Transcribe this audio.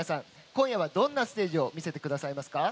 今夜はどんなステージを見せてくださいますか？